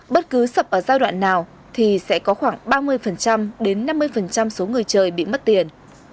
bất cứ sập ở giai đoạn nào thì sẽ có khoảng ba mươi đến năm mươi số người chơi bị mất tiền